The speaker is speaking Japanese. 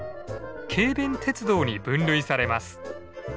軽便鉄道に分類されます。